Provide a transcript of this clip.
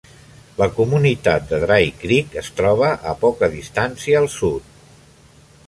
La comunitat de Dry Creek es troba a poca distància a sud.